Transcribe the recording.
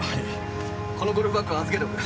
このゴルフバッグは預けとく。